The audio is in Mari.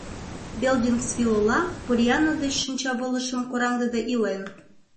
Белдингсвилл ола Поллианна деч шинчавылышым кораҥдыде илен.